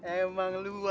emang luar biasa